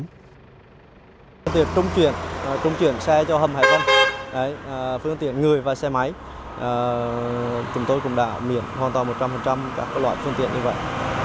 việc trung chuyển trung chuyển xe cho hầm hải vân phương tiện người và xe máy chúng tôi cũng đã miễn hoàn toàn một trăm linh các loại phương tiện như vậy